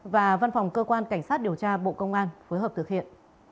và văn phòng cơ quan cảnh sát điều tra bộ công an phối hợp thực hiện